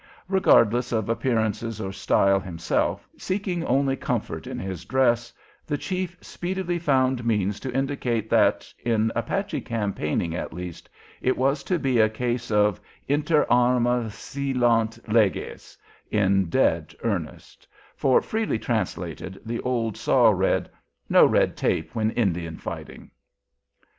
Regardless of appearances or style himself, seeking only comfort in his dress, the chief speedily found means to indicate that, in Apache campaigning at least, it was to be a case of "inter arma silent leges" in dead earnest; for, freely translated, the old saw read, "No red tape when Indian fighting."